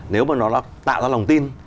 nếu mà nó tạo ra lòng tin